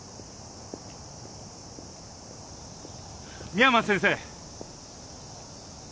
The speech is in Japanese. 深山先生